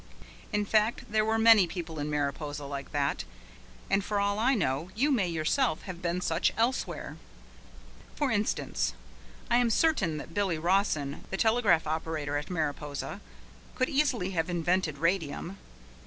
In fact, there were many people in Mariposa like that, and for all I know you may yourself have seen such elsewhere. For instance, I am certain that Billy Rawson, the telegraph operator at Mariposa, could easily have invented radium.